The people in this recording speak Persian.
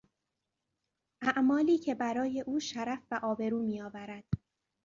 اعمالی که برای او شرف و آبرو میآورد